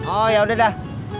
oh ya udah dah